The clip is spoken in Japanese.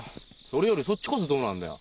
それよりそっちこそどうなんだよ？